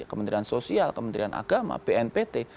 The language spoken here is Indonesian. kementerian sosial kementerian agama bnpt